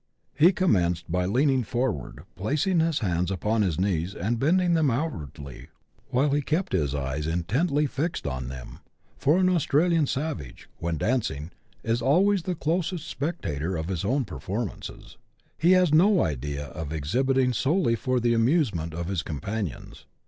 He commenced by leaning forward, placing his hands upon his knees, and bending them outwardly, while he^kept his eyes intently fixed on them, for an Australian savage, when dancing, is always the closest spectator of his own performances — he has CHAP. X.] MENTAL POWERS OF THE BLACKS. 107 no idea of exhibiting solely for the amusement of his com panions.